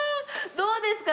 どうですか？